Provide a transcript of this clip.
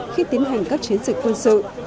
khi tiến hành các chiến dịch quân sự